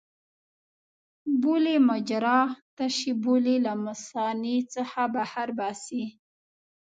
بولي مجرا تشې بولې له مثانې څخه بهر باسي.